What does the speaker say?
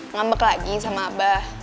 ngambek lagi sama abah